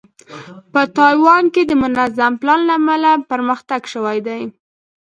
په تایوان کې د منظم پلان له امله پرمختګ شوی دی.